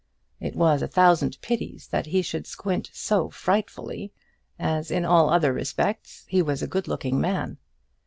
It was a thousand pities that he should squint so frightfully, as in all other respects he was a good looking man.